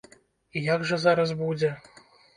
І як жа зараз будзе?